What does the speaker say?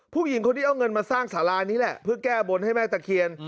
ผู้หญิงคนนี้เอาเงินมาสร้างสารานี้แหละเพื่อแก้บนให้แม่ตะเคียน